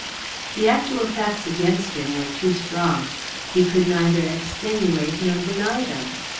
The actual facts against him were too strong. He could neither extenuate nor deny them.